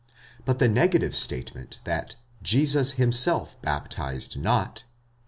But the negative statement that Jesus himself baptised not (iv.